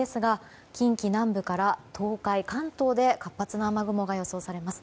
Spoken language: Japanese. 近畿南部から東海、関東で活発な雨雲が予想されます。